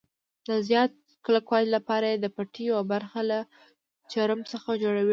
د زیات کلکوالي لپاره یې د پټۍ یوه برخه له چرم څخه جوړوي.